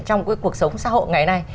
trong cái cuộc sống xã hội ngày nay